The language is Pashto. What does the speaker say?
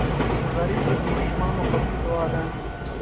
غریب ته د ماشومانو خوښي دعا ده